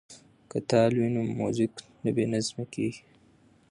که تال وي نو موزیک نه بې نظمه کیږي.